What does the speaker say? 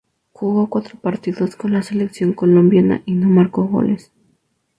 Jugó cuatro partidos con la Selección Colombia y no marcó goles.